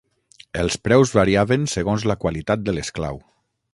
Els preus variaven segons la qualitat de l'esclau.